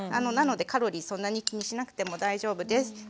なのでカロリーそんなに気にしなくても大丈夫です。